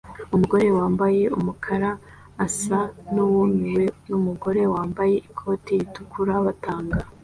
Umugore wambaye umukara asa nuwumiwe numugore wambaye ikoti ritukura batanga